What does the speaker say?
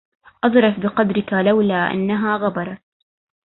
أظرف بقدرك لولا أنها غبرت